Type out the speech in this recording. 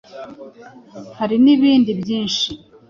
Hari n’ibindi byinshi